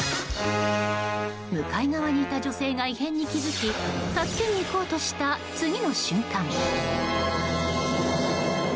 向かい側にいた女性が異変に気付き助けに行こうとした次の瞬間。